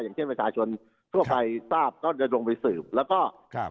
อย่างเช่นประชาชนทั่วไปทราบก็จะลงไปสืบแล้วก็ครับ